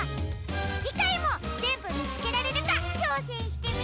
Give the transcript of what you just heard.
じかいもぜんぶみつけられるかちょうせんしてみてね！